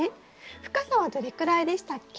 深さはどれくらいでしたっけ？